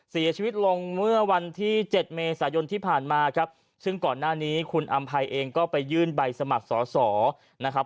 เสียชีวิตลงเมื่อวันที่เจ็ดเมษายนที่ผ่านมาครับซึ่งก่อนหน้านี้คุณอำภัยเองก็ไปยื่นใบสมัครสอสอนะครับ